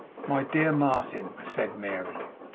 'My dear Martin,' said Mary.